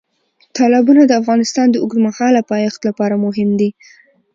تالابونه د افغانستان د اوږدمهاله پایښت لپاره مهم دي.